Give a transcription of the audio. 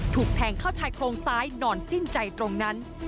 ถูกแทงเข้าชายโครงซ้ายนอนสิ้นใจตรงนั้น